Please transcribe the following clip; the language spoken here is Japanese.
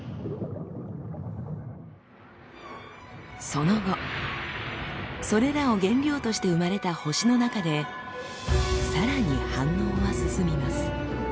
その後それらを原料として生まれた星の中でさらに反応は進みます。